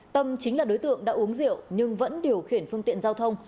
tâm chính là đối tượng đã uống rượu nhưng vẫn điều khiển phương tiện giao thông